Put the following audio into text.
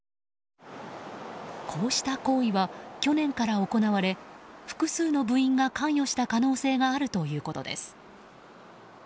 こうした行為は去年から行われ複数の部員が関与した可能性があるということです。